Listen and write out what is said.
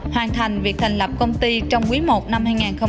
hoàn thành việc thành lập công ty trong quý i năm hai nghìn một mươi chín